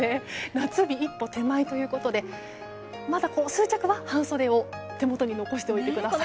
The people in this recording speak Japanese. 夏日一歩手前ということでまだ数着は半袖を手元に残しておいてください。